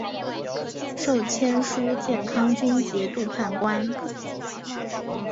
授签书建康军节度判官。